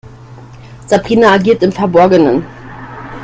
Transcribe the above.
Sabrina agiert im Verborgenen.